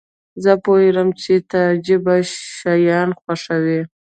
زه پوهیږم چې ته عجیبه شیان خوښوې.